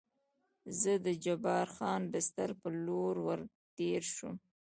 زه د جبار خان بستر په لور ور تېر شوم.